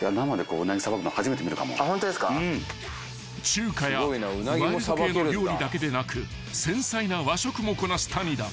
［中華やワイルド系の料理だけでなく繊細な和食もこなす谷田］